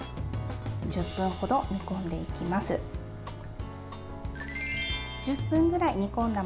１０分程、煮込んでいきます。